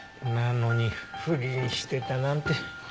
なのに不倫してたなんて。